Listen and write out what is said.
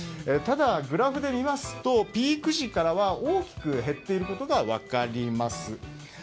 ただ、グラフで見ますとピーク時からは大きく減っていることが分かります。